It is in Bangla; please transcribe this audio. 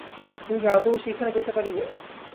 তুমি কি আদৌ সেইখানে যাইতে পারিবে?